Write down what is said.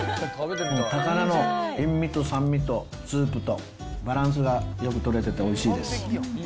高菜の塩味と酸味とスープと、バランスがよく取れてておいしいです。